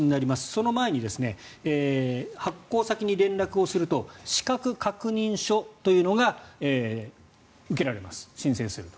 その前に、発行先に連絡すると資格確認書というのが受けられます、申請すると。